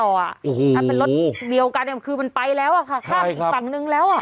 ถ้าเป็นรถเดียวกันคือมันไปแล้วอะค่ะข้ามอีกฝั่งนึงแล้ว